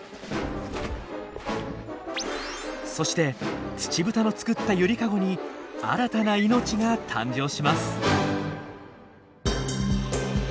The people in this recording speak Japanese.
そしてツチブタの作った揺りかごに新たな命が誕生します。